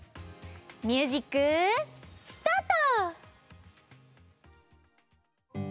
ミュージックスタート！